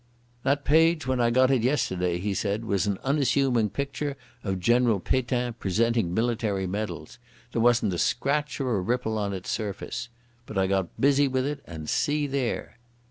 "That page when I got it yesterday," he said, "was an unassuming picture of General Pétain presenting military medals. There wasn't a scratch or a ripple on its surface. But I got busy with it, and see there!"